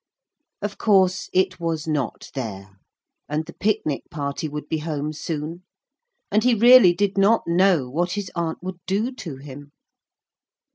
Of course it was not there. And the picnic party would be home soon. And he really did not know what his aunt would do to him.